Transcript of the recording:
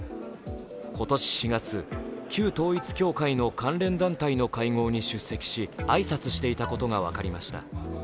今年４月、旧統一教会の関連団体の会合に出席し挨拶していたことが分かりました。